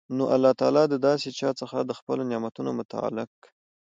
نو الله تعالی د داسي چا څخه د خپلو نعمتونو متعلق